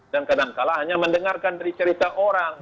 dan kadangkala hanya mendengarkan dari cerita orang